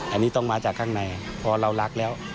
อันนี้ต้องมาจากข้างในพอเรารักแล้ว